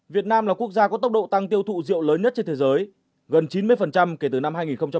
việt nam là quốc gia có tốc độ tăng tiêu thụ rượu lớn nhất trên thế giới gần chín mươi kể từ năm hai nghìn một mươi